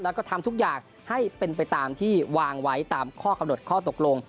แล้วก็ทำทุกอย่างให้เป็นไปตามที่วางไว้ตามข้อกำหนดข้อตกลง